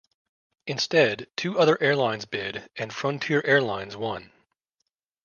Instead, two other airlines bid and Frontier Airlines won.